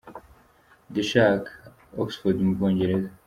The Shark” i Oxford mu Bwongereza.